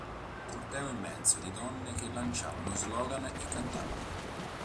Un corteo immenso di donne che lanciavano slogan e cantavano.